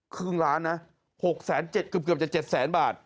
ครึ่งล้านนะหกแสนเจ็ดเกือบเกือบจะเจ็ดแสนบาท